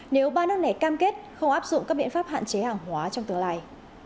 nếu ba nước này cam kết không áp dụng các biện pháp hạn chế hàng hóa trong tương lai